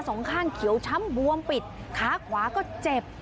สองข้างเขียวช้ำบวมปิดขาขวาก็เจ็บ